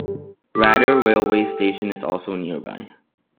Radyr railway station is also nearby.